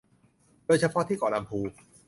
โดยเฉพาะที่เกาะลำพู